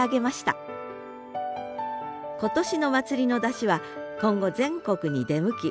今年の祭りの山車は今後全国に出向き